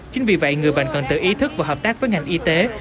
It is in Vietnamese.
chính vì vậy người bệnh cần tự ý thức và hợp tác với ngành y tế